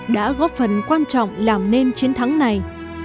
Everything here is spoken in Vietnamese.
đã góp phần quan trọng làm nên chiến thắng này